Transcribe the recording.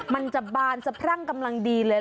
มันจะบานสะพรั่งกำลังดีเลย